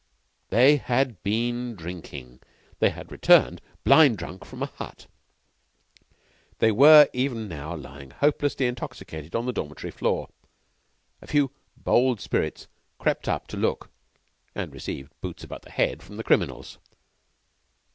They had been drinking. They had returned blind drunk from a hut. They were even now lying hopelessly intoxicated on the dormitory floor. A few bold spirits crept up to look, and received boots about the head from the criminals.